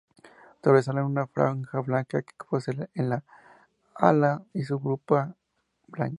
Sobresalen una franja blanca que posee en el ala y su grupa blanca.